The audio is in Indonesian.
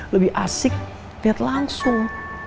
lebih asik lihat langsung